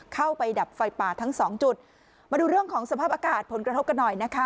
เข้าไปดับไฟป่าทั้งสองจุดมาดูเรื่องของสภาพอากาศผลกระทบกันหน่อยนะคะ